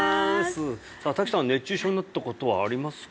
さあ滝さん熱中症になったことはありますか？